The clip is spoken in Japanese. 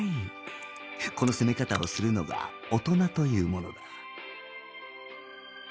この攻め方をするのが大人というものだ